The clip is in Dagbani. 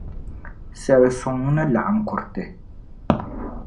Sala suŋ ni laɣim kuriti.